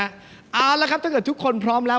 เอาละครับถ้าเกิดทุกคนพร้อมแล้ว